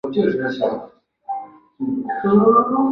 不属于同一对的染色体称为非同源染色体。